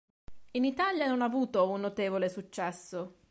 In Italia non ha avuto un notevole successo.